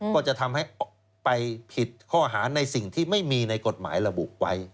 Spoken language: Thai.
ก็จะทำให้ไปผิดข้อหาในสิ่งที่ไม่มีในกฎหมายระบุไว้